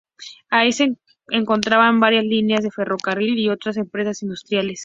Ahí se encontraban varias líneas de ferrocarril y otras empresas industriales.